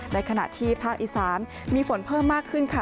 ในขณะที่ภาคอีสานมีฝนเพิ่มมากขึ้นค่ะ